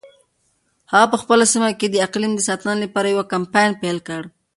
هغه په خپله سیمه کې د اقلیم د ساتنې لپاره یو کمپاین پیل کړ.